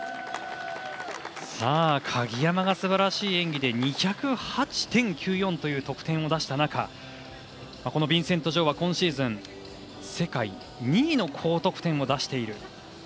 鍵山がすばらしい演技で２０８．９４の得点を出した中ヴィンセント・ジョウは今シーズン、世界２位の高得点を出している。